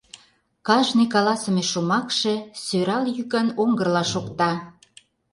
Кажне каласыме шомакше сӧрал йӱкан оҥгырла шокта.